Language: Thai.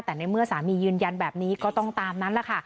แต่ในเมื่อสามียืนยันแบบนี้ก็ต้องตามนั้นแหละค่ะ